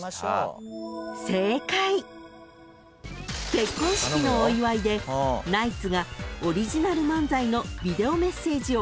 ［結婚式のお祝いでナイツがオリジナル漫才のビデオメッセージをおくってくれるサービス］